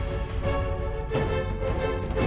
di funasi dunia